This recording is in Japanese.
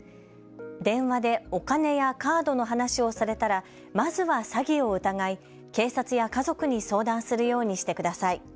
電話でお金やカードの話をされたらまずは詐欺を疑い、警察や家族に相談するようにしてください。